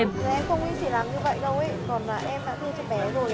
em không nghĩ chị làm như vậy đâu